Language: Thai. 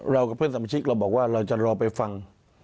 กับเพื่อนสมาชิกเราบอกว่าเราจะรอไปฟัง